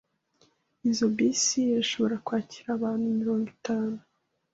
Izoi bisi irashobora kwakira abantu mirongo itanu.